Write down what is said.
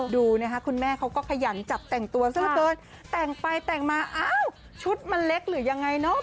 ดูนะค่ะคุณแม่เค้าก็ขยันจัดแต่งตัวแต่งไปแต่งมาชุดมันเล็กหรือยังไงเนอะ